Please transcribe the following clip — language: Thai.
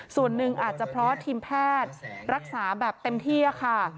ส่วนหนึ่งอาจจะเพราะทีมแพทย์รักษาแบบเต็มที่ค่ะ